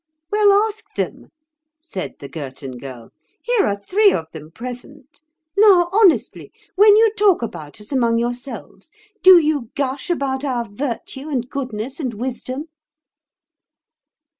"Well, ask them," said the Girton Girl. "Here are three of them present. Now, honestly, when you talk about us among yourselves, do you gush about our virtue, and goodness, and wisdom?"